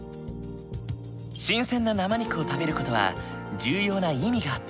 新鮮な生肉を食べる事は重要な意味があった。